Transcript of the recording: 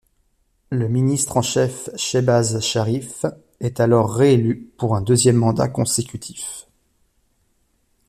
Le ministre en chef Shehbaz Sharif est alors réélu pour un deuxième mandat consécutif.